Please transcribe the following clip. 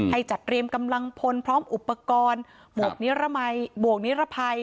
จัดเตรียมกำลังพลพร้อมอุปกรณ์หมวกนิรมัยบวกนิรภัย